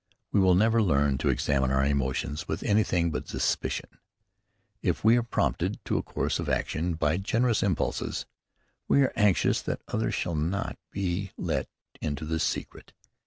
We will never learn to examine our emotions with anything but suspicion. If we are prompted to a course of action by generous impulses, we are anxious that others shall not be let into the secret.